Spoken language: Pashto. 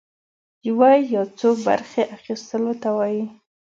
يوه يا څو برخي اخيستلو ته وايي.